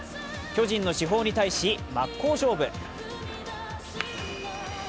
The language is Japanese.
巨人の主砲に対し、真っ向勝負。